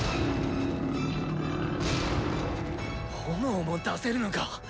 炎も出せるのか！